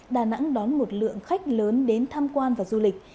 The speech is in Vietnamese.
đà nẵng đón một lượng khách lớn đến tham quan và du lịch